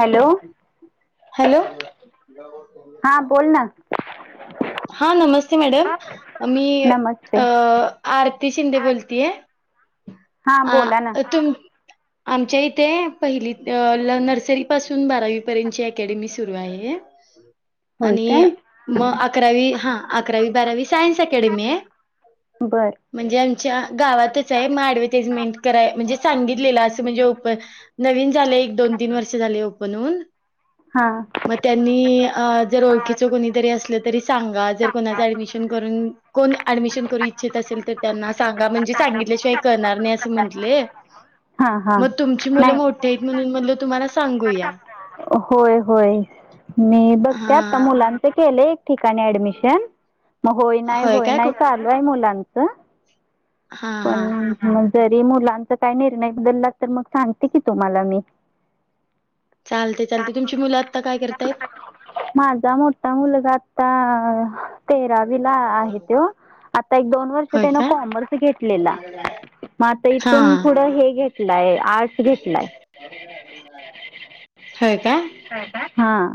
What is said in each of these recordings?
Hello hello? हा बोल ना हां नमस्ते मॅडम मी नमस्ते अ आरती शिंदे बोलतीय हा बोला ना आ तुम आमच्या इथे पहिलीत नर्सरी पासून बारावी पर्यंतची अकॅडमी सुरू आहे. होय आणि काय म अकरावी हां अकरावी बारावी सायन्स अकॅडमी आहे. बर म्हणजे आमच्या गावातच हाय मारुतीजमेंट कर म्हणजे सांगितलेलं असं म्हणजे ओपन नवीन झालं एक, दोन, तीन वर्ष झालंय ओपन हून हां. मग त्यांनी अ जर ओळखीच कोणीतरी असले तरी सांगा जर कोणाच ऍडमिशन करून कोण ऍडमिशन करू इच्छित असेल, तर त्यांना सांगा म्हणजे सांगितल्याशिवाय कळणार नाही असं म्हटंले हा हा मग तुमची मुलं नाही मोठी आहेत म्हणून म्हटलं तुम्हाला सांगू या. होय होय मी बघते आता हा मुलांच केलंय एक ठिकाणी ऍडमिशन मग होय, नाय, होय, काय नाय कुठ चालू आहे मुलांचं हा हा पण हा मजेत ते मुलांचा काय निर्णय बदलला तर मग सांगते की तुम्हांला मी. चालतंय चालतंय तुमची मुलं आता काय करतायत? माझा मोठा मुलगा आता तेरावी ला आहे त्यो. आता एक, दोन वर्ष होय त्यान का कॉमर्स घेतलेला. मग आता हा इथून पुढ हे घेतलाय आर्ट्स घेतलाय. होय काय. हां.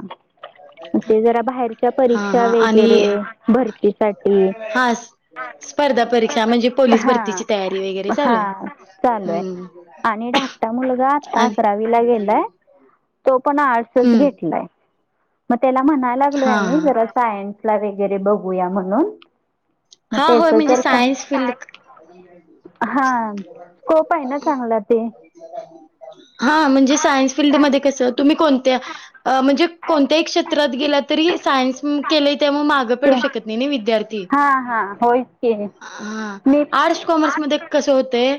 ते जरा बाहेरच्या हा परीक्षा हा आणि वगैरे भरतीसाठी हा स्पर्धा परीक्षा म्हणजे पोलीस हां भरतीची तयारी वेगैरे चालू हां चालू आहे. आणि धाकटा मुलगा आता आणि अकरावीला गेलाय तो पण आर्ट्स हम्म घेतलाय. मग त्याला म्हणायला लागलोय. हा आम्ही हा जरा सायन्स ला वगैरे बघूया म्हणून मग हा होय त्याचं म्हणजे सायन्स फील्ड हा स्कोप आहे ना चांगला ते हा म्हणजे सायन्स फील्डमध्ये कसं तुम्ही कोणत्या म्हणजे कोणत्याही क्षेत्रात गेला तरी सायन्स केले तेव्हा मागं के पडू शकत नाही विद्यार्थी हां हां होयच की आ मी आर्टस कॉमर्स मध्ये कस होतंय.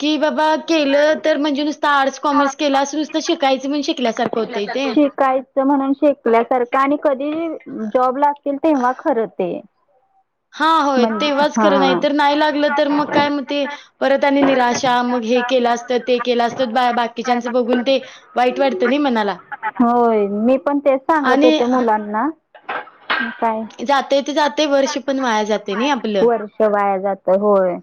की बाबा, केलं तर म्हणजे नुसत आर्टस कॉमर्स केलास नुसत शिकायच म्हणून शिकल्यासारखं होतंय. ते उग म्हणून शिकल्यासारखं आणि कधी जॉब लागतील तेव्हा खरं ते हा होय म्हणजे तेव्हाच खरं नाय तर नाही लागलं तर मग काय मग ते परत आणि निराशा मग हे केलं असतं ते केलं असतं बाकीच्यांच बघून ते वाईट वाटतं ना मनाला होय मी पण तेच सांगत होते मुलांना काय जाते ते जाते वर्ष पण वाया जाते ना आपलं वर्ष वाया जात होय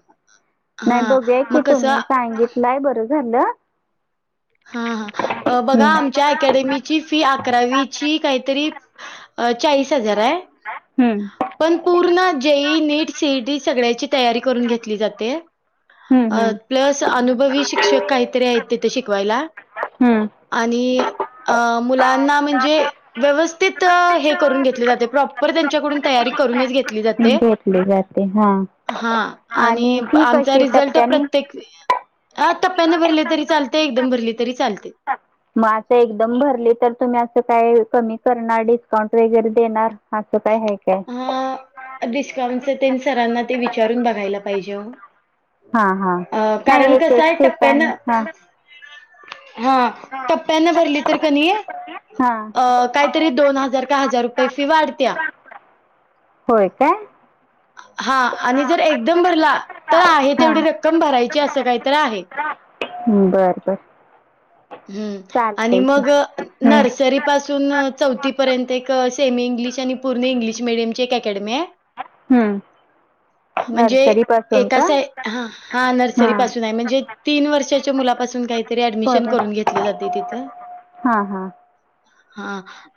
हा नाही बघूया की तुम्ही सांगितलंय बरं झालं. हा हा बघा आमच्या हम्म अकॅडमी ची फी अकरावीची काही तरी चाळीस हजार आहे हम्म पण पूर्ण जेईई नीट सीईटी सगळ्याची तयारी करून घेतली जाते हम्म हम्म प्लस अनुभवी शिक्षक काहीतरी आहेत तिथे शिक शिकवायला हम्म आणि मुलांना म्हणजे व्यवस्थित हे करून घेतलं जाते प्रॉपर त्यांच्याकडून तयारी करूनच घेतली जाते. मी जाते. हा हां आणि फी आमचा कशी रिझल्ट टप्प्याने प्रत्येक टप्प्याने भरले तरी चालते एकदम भरले तरी चालते मग असं एकदम भरली तर तुम्ही अस काय कमी करणार डिस्काउंट वगैरे देणार अस हा डिस्काउंट सरांना ते विचारून बघायला पाहिजे. हा हा अ कारण नाही एक कसं एक आहे ठिकाणी टप्प्यानं हा हा टप्प्याना भरली तर कणीय हा अ काहीतरी दोन हजार का हजार रुपये फी वाढत्या. होय काय? हा आणि जर एकदम भरला तर आहे तेवढी हा रक्कम भरायची असं काहीत आहे. [unintelligible] बर बर ह् आणि चालतंय की मग हं. नर्सरी पासून चौथीपर्यंत एक सेमी इंग्लिश आणि पूर्ण इंग्लिश मिीडियम ची एक अकॅडमी आहे. हम् म्हणजे एका सा ह हा नर्सरी हां पासून आहे म्हणजे तीन वर्षाच्या मुलापासून ऍडमिशन करून घेतल जातंय तिथ. ह हा हा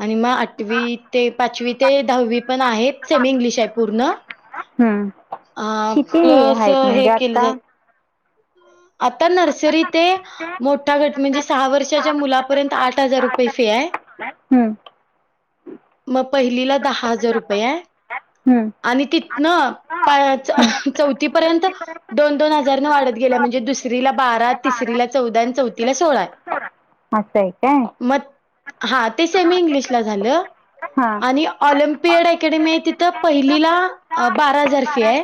आणि मग आठवी ते पाचवी ते दहावी पण आहेत सेमी इंग्लिश आहे पूर्ण, हं. अ किती प्लस आहेत हे म्हणजे केले आत्ता जात. आता नर्सरी ते मोठा घट म्हणजे सहा वर्षाच्या मुलापर्यंत आ आठ हजार रुपये फे आहे. हं. मग पहिलीला दहा हजार रुपये हं. आणि तिथ ना हं. चौथी र्यंत दोन दोन हजारने वाढत गेल्या म्हणजे दुसरीला बारा तिसरीला चौदा आणि चौथीला सोळा [unintelligible] अस हाय काय? मग हा ते सेमी इंग्लिशला झालं हां आणि ऑलिम्पियड अकॅडमी आहे तिथं पहिलीला बारा हजार फी आहे.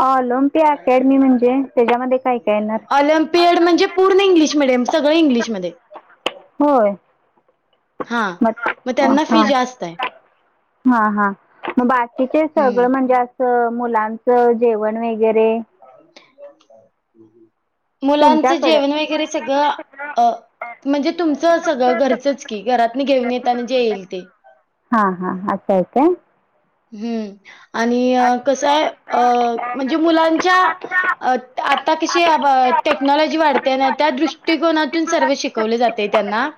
ऑलिम्पिया अकॅडमी म्हणजे त्याच्यामध्ये काय का येणार? ऑलिम्पियड म्हणजे पूर्ण इंग्लिश मिडीयम सगळं इंग्लिश मध्ये होय म मग हा त्यांना फी [unintelligible] जास्त आहे हा हा मग बाकीचे हम्म सगळ म्हणजे असं मुलांचं जेवण वगैरे मुलांचं तुमच्याकडं जेवण वगैरे सगळं अ. म्हणजे तुमचं सगळं घरचंच की घरात घेऊन येताना जे येईल ते. हा हाच्ाय हम्म आणि कसय अ म्हणजे मुलांच्या अ आता कशी टेक्नॉलॉजी वाढते ना त्या दृष्टिकोनातून सर्व शिकवले जाते त्यांना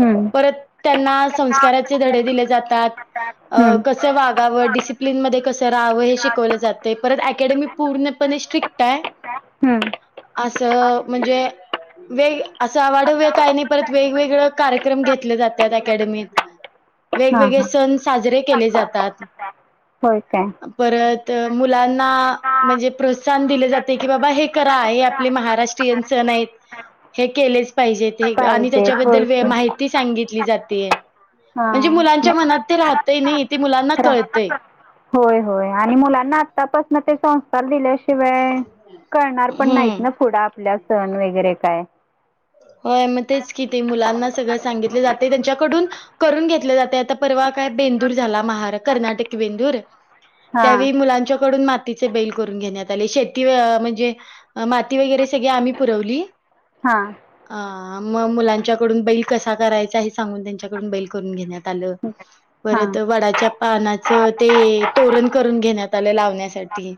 हम्म परत त्यांना संस्काराचे धडे दिले जातात अ हं. कस वा डिसिप्लिन मध्ये कसं राहावं हे शिकवलं जात परत अकेडमी पूर्णपणे स्ट्रिक्ट आहे. हं. असं म्हणजे, वेग असं आवाडव काही नाही परत वेगवेगळे कार्यक्रम घेतले जातात अकॅडमीत हां वेगवेगळे हां सण साजरे केले जातात, होय काय परत तर मुलांना म्हणजे प्रोत्साहन दिले जाते की बाबा हे करा आपले महाराष्ट्रीयन सण हे केलेच पाहिजे आणी पाहिजे होय त्याच्याबद्दल माहिती सांगि की जात म्हणजे हा. मुलांच्या मना राहत नाही ते मुलांना कळ रा- होय होय आणि मुलांना आतापासून ते संस्कार दि शिवाय करणार पण नाहीत हं. ना पुढं आपल्या सण वगैरे काय स सगित जाते त्यांच्याकडून करून घेत जाते आता परवा काय बेंदूर झाला महार कर्ट. हा त्या मुलांच्याडून म. ाती बैल करून घेण्यात आले शेती म्हणजे माती वगैरे सगळे आम्ही पुरवली. हा ह मग मुलांच्याकडून बैल कसा करायचा हे सांगून त्यांच्याकडून बैल करून घेण्यात आलं. हा परत वडाच्या. पानाच ते तोरण करून घेण्यात आलं लावण्यासाठी.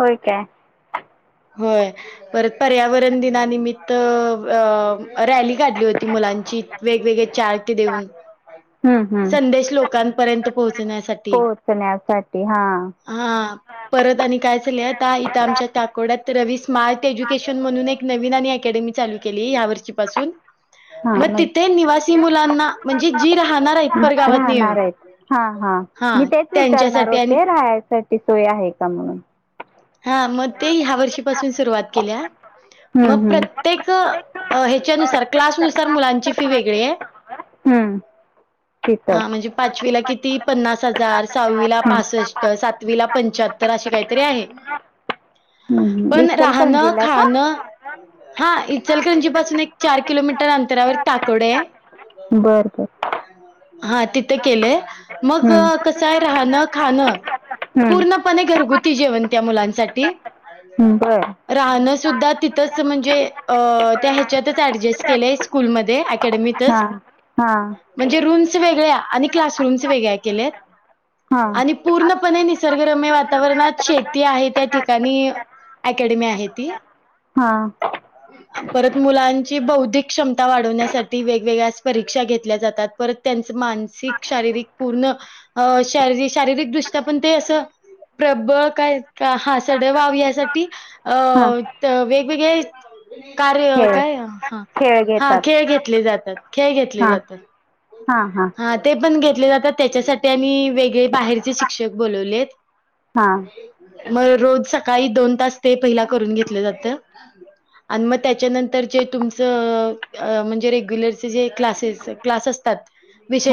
हो काय. होय परत पर्यावरण दिनानिमित्त रॅली काढली होती मुला. वेगवेगळे चार्ट देऊन हम्म संदेश लोकांपर्यंत पोहोचण्यासाठी. पोहचण्यासाठी हा. हां. परत आणि काय चालय आता इथं आमच्या. ड्यात रवी स्मार्ट एज्युकेशन म्हणून एक नवीन आणि अकॅडमी चालू केली या वर्षीपासून. हा मग तिथे म्हणजे निवासी मुलांना म्हणजे जी रा. राहणार आहेत हा हा मी हां तेच विचारणार त्यांच्यासाठी आणि होते राहायसाठी ती सोय आहे का म्हणून. हा मग ते ह्या वर्षीपासून सुरुवात केल्या मग हम्म, हम्म. प्रत्येक अ ह्याच्यानुसार क्लासनुसार मुलांची फी वेगळी आहे. हम्म. तिथं हा म्हणजे पाचवीला किती. ती पन्नास हजार सहावीला पासष्टष्ट सातवी ला पंच्याहत्तर अशी काहीतरी आहे. हम्म, हम्म. पण राहणं इचलकरंजीला का खाणं. हा इचलगंजी पासून एक चार किलोमीटर अंतरावर टाकोड आहे. बर बर. हा तिथे केलेय. मग हम्म, कसय राहणं खाणं हम्म. पूर्णपणे घरगुती. कती जेवण त्या मुलांसाठी. हम्म बरं राहणं सुद्धा तिथच म्हणजे त्या ह्याच्यातच ऍडजेस्ट केलेय स्कूलमध्ये.. अकडत हा हा म्हणजे रूम्स वेगळे आणि क्लास रूम्स वेगळे केले.. हा आणि पूर्णपणे निसर्गरम्य वातावरणात शेत.. ती आहे त्या ठिकाणी अकेडमी आहे ती हा परत मुलांची बौद्धिक क्षमता वाढवण्यासाठी वेगवेगळ्या परीक्षा घेतल्या जातात परत. त्यांच मानसिक, शारीरिक पूर्ण शारी-शारीरिक दृष्ट्या पण ते असं प्रबळ काय हां सडेवाव यासाठी अ हा वेगवेगळे कार्य खेळ काय ह खेळ हा घेतात खेळ घेतले जातात, खेळ घेतले हा जातात. हा ते पण घेत जात त्याच्यासाठी आम्ही वेगळे बाहेरचे शिक्षक बोलवले आहेत‌. हा म रोज सकाळी दोन तास ते पहिला करून घेतल जात आणि म त्याच्यानंतर जे तुमचं अ म्हणजे रेग्युलरचे जे क्लासेस क्लास असतात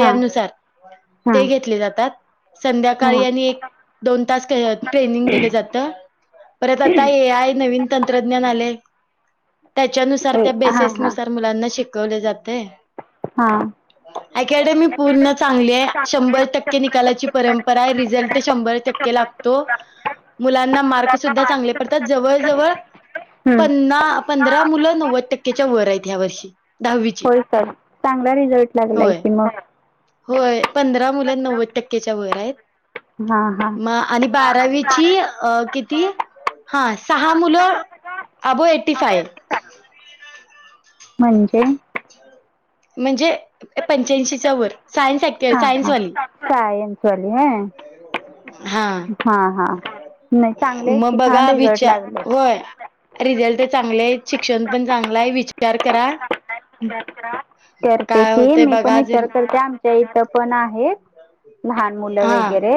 हा हा ते घेतले जातात संध्याकाळी हा आणि एक दोन तास क ट्रेनिंग दिलं जात परत आता एआय नवीन तंत्रज्ञान आलय त्याच्यानुसार ए त्या हा बेसिस हा नुसार मुलांना शिकवल जातय हा. अकॅडमी पूर्ण चांगलीय शंभर टक्के निकालाची परंपरा आहे रिझल्ट शंभर टक के लागतो मुलांना मार्क सुद्धा चांगले पडतात जवळ जवळ प ना पंधरा मुलं नव्वद टक्केच्या वर आहेत ह्या वर्षी दहावीची होय सर चांगला रिझल्ट लागलाय होय. कि म होय पंधरा मुलं नव्वद टक्केच्या वर आहेत हा हा म आणि बारावीची अ कित ती हां सहा मुलं अबोव एट्टी फाय आहेत. म्हणजे? म्हणजे पंच्याऐंशीच्या वर सायन्स ॲक् सायन्स वाली. सायन्स वाली व्हय. हां नाही चांगले आहेत म की छान बघा रिझल्ट वीच्या लागले होय रिझल्ट चांगलेय, शिक्षण पण चांगलाय, विचार करा करते काय की होते मी पण बघा जर विचार करते आम च्या इथ पण आहेत लहान मुलं हा वगैरे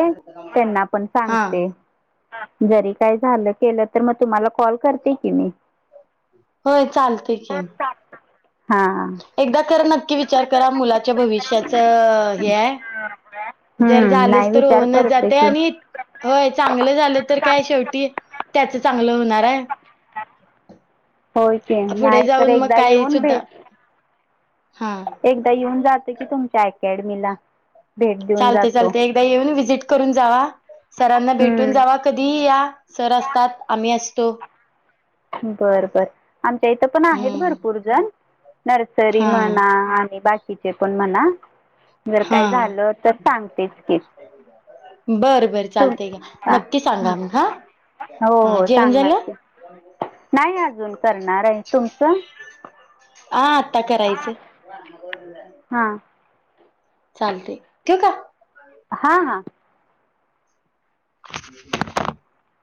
त्यांना पण हा सांगते. जरी काय झालं केलं तर म तुम्हाला कॉल करते की मी हो. चालतय की हा एकदा खर नक्की विचार करा मुलाच्या भविष्याच हे हाय जर हम्म नाही झालच तर विचार होऊनच करते जातय की आणि होय चांगलं झालं तर काय शेवटी त्याच चांगलं होणार हाय होय की पुढे नाही तर जाऊन मग एकदा काय येऊन सुद्धा भेट हा एकदा येऊन जाते की तुमच्या अकॅडमीला. भेट देऊन चालतय जातो चालतय एकदा येऊन व्हिजिट करून जावा‌. सरांना भेटून जावा हम्म कधीही या सर असतात, आम्ही असतो. बर बर आमच्या इथं पण आहेत हम्म. भरपूरजण नर्सरी हा म्हणा आणि बाकी बाकीचे पण म्हणा जर हा काय झालं तर सांगतेच की. बर बर तुम चालतय घ्या हा नक्की सांगा मग हा हो हा हो जेवण सांगणार झालं? की नाही अजून करणार आहे तुमचं? आ आता करायचं. हां चालतंय ठेवू का? हा हा [inaudible]